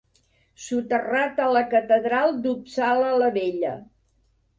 Soterrat a la catedral d'Uppsala la Vella.